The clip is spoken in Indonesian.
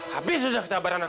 habis sudah kesabaran aku